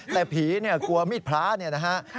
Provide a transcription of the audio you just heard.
แต่ผีกลัวมิตรพระนะฮะ